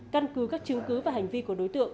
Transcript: căn cứ các chứng cứ và hành vi của đối tượng